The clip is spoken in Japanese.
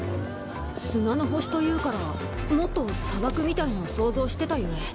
砂の星というからもっと砂漠みたいのを想像してたゆえ。